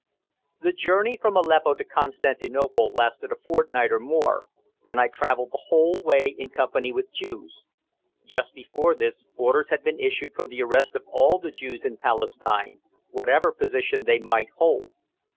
The journey from Aleppo to Constantinople lasted a fortnight or more, and I traveled the whole way in company with Jews. Just before this, orders had been issued for the arrest of all the Jews in Palestine, whatever position they might hold.